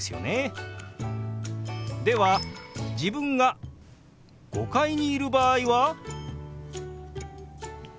では自分が５階にいる場合はどうでしょう？